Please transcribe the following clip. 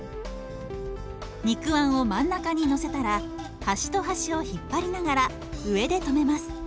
肉あんを真ん中にのせたら端と端を引っ張りながら上で留めます。